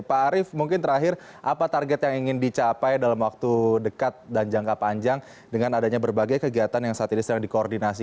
pak arief mungkin terakhir apa target yang ingin dicapai dalam waktu dekat dan jangka panjang dengan adanya berbagai kegiatan yang saat ini sedang dikoordinasi